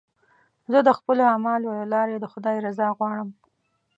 زه د خپلو اعمالو له لارې د خدای رضا غواړم.